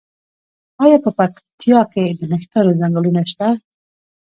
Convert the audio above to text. آیا په پکتیا کې د نښترو ځنګلونه شته؟